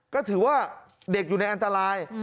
ก็ถือว่าเด็กอยู่ในอันตราย